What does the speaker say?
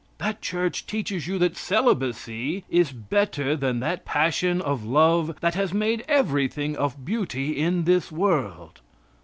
That Church teaches you that celibacy is better than that passion of love that has made everything of beauty in this world.